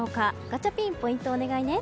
ガチャピン、ポイントお願いね。